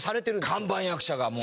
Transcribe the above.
看板役者がもう。